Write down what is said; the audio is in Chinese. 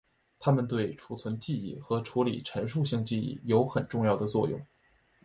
它们对储存记忆和处理陈述性记忆有重要的作用。